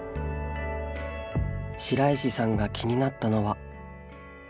白石さんが気になったのは。